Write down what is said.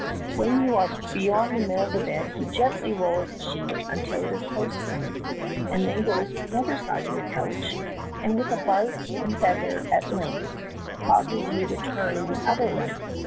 When 3^ou are be^^ond the middle of the bed he gently rolls the sheet until it is close to you, and then he goes to the other side of your couch and with buzz and feather at length causes you to turn the other way.